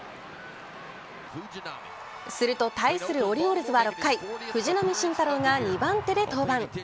すると対するオリオールズは６回藤浪晋太郎が２番手で登板。